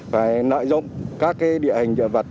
phải nợi dụng các địa hình dựa vật